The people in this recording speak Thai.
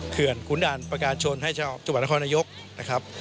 เคลือนคุณด่านประกาศชนทร์ให้ทุกวัตตาครณยกนะครับ